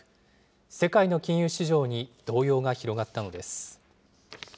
世界の金融市場に動揺が広がったのです。